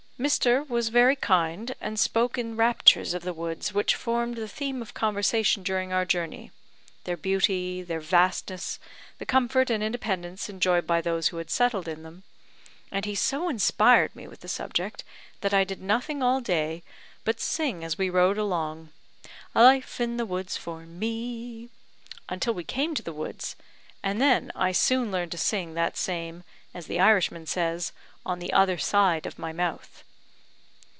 Mr. was very kind, and spoke in raptures of the woods, which formed the theme of conversation during our journey their beauty, their vastness, the comfort and independence enjoyed by those who had settled in them; and he so inspired me with the subject that I did nothing all day but sing as we rode along 'A life in the woods for me;' until we came to the woods, and then I soon learned to sing that same, as the Irishman says, on the other side of my mouth."